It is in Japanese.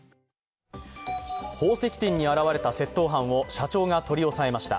宝石店に現れた窃盗犯を社長が取り押さえました。